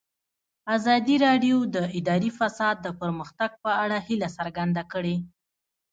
ازادي راډیو د اداري فساد د پرمختګ په اړه هیله څرګنده کړې.